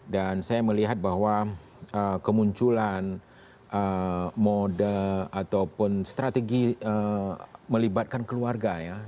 dan saya melihat bahwa kemunculan mode ataupun strategi melibatkan keluarga ya